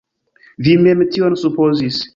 Vi mem tion supozis.